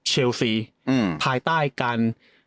เชลซีภายใต้การ